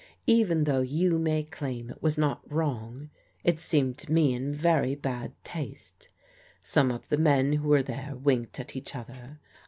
Even though you may claim it was not wrong, it seemed to me in very bad taste. Some of the men who were there winked at each other.